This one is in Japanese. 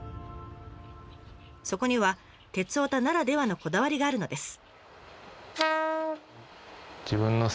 そこには鉄オタならではのこだわりがあるのです。